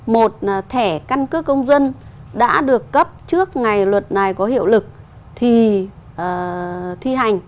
một thẻ căn cước công dân đã được cấp trước ngày luật này có hiệu lực thì thi hành